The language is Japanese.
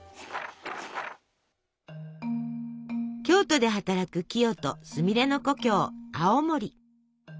京都で働くキヨとすみれの故郷青森。